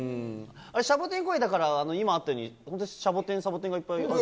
シャボテン公園、だから今あったように、本当にシャボテン、サボテンがいっぱいあるの？